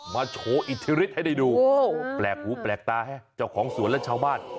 มาโฉอิทธิฤทธิ์ให้ดูแปลกหูแปลกตาเจ้าของสวรรค์แล้วชาวบ้าน